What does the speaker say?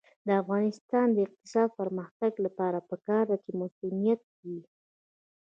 د افغانستان د اقتصادي پرمختګ لپاره پکار ده چې مصونیت وي.